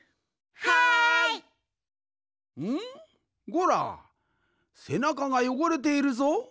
ゴラせなかがよごれているぞ？